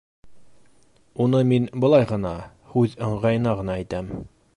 Уны мин былай ғына, һүҙ ыңғайына ғына әйтәм.